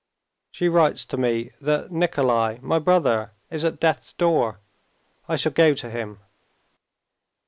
"She writes to me that Nikolay, my brother, is at death's door. I shall go to him."